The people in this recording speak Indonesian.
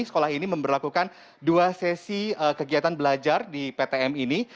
sekolah ini memperlakukan dua sesi kegiatan belajar di ptm ini